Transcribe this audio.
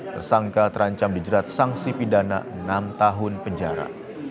tersangka terancam dijerat sanksi pidana enam tahun penjara